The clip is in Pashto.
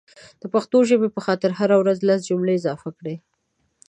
دا پښتو ژبې په خاطر هره ورځ لس جملي اضافه کړئ